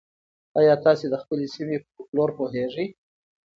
ایا تاسي د خپلې سیمې په فولکلور پوهېږئ؟